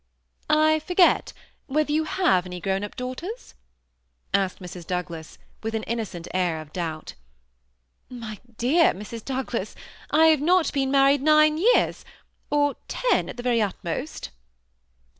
"I forget whether you have any grown up daugh ters?" asked Mrs. Douglas, with an innocent air of doubt. My dear Mrs. Douglas, I have not been married nine years — or ten at the very utmost."